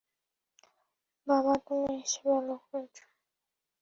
বাবা তুমি এসে ভালো করেছ।